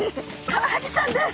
カワハギちゃんです！